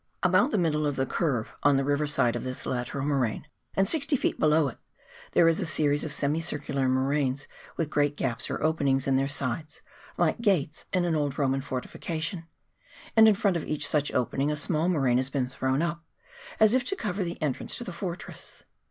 About the middle of the curve, on the river side of this lateral moraine, and 60 ft. below it, there is a series of semi circular moraines, with great gaps or openings in their sides, like gates in an old Roman fortification ; and in front of each such opening a small moraine has been thrown up, as if to cover the entrance to the fortress.